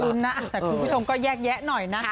สำคัญเป็นคำคำคุณผู้ชมก็ยักแยะหน่อยนะ